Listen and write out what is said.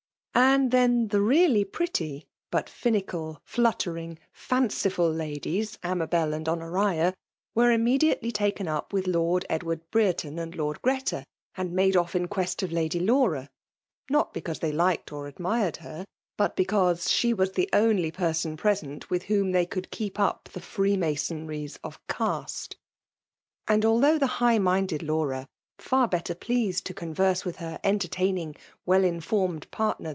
And then tbe really pretty, Imt finieait ttot* feting; fimcifid ladSes Amabel and Honoria, wcfe fanme£ately taken up with Lord Edwwd Brereton and Lord Greta ; and made off in quest of Lady Lanra, not becanae they Hfced or admred her, but beeause she was t^ only person present with whom they eould keep np the free masonnea of easte; and althongh the kigh^minded Laura, far better pleased to eon mme with her entertaining well inlbrued partaer